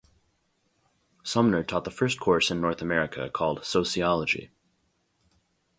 Sumner taught the first course in North America called "sociology".